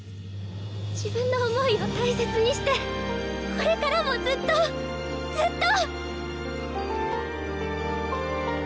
自分の思いを大切にしてこれからもずっとずっと！